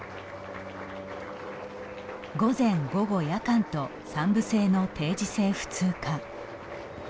午前・午後・夜間と３部制の定時制普通科。